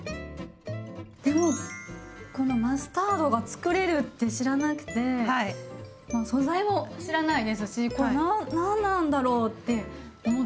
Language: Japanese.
でもこのマスタードがつくれるって知らなくて素材も知らないですしこれ何なんだろうって思ってました。